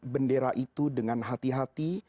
bendera itu dengan hati hati